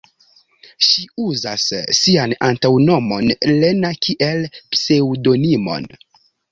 Ŝi uzas sian antaŭnomon "Lena" kiel pseŭdonimon.